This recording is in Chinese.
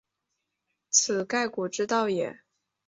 此盖古之道也。